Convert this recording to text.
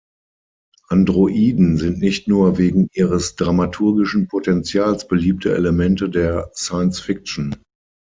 Androiden sind nicht nur wegen ihres dramaturgischen Potentials beliebte Elemente der Science-Fiction.